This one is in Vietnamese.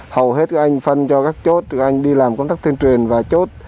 hầu hết các anh phân cho các chốt anh đi làm công tác tuyên truyền và chốt